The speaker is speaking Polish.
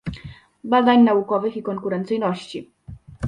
Badań Naukowych i Konkurencyjności